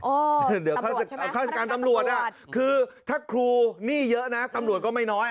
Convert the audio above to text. เดี๋ยวข้าราชการตำรวจคือถ้าครูหนี้เยอะนะตำรวจก็ไม่น้อย